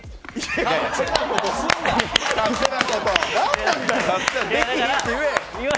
何なんだよ！